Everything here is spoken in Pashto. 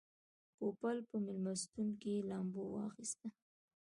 پوپل په مېلمستون کې لامبو واخیسته.